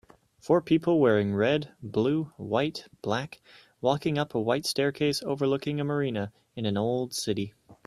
Four people wearing red blue white black walking up a white staircase overlooking a marina in an old city